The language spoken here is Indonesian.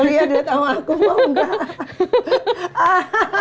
teh lia duet sama aku mau enggak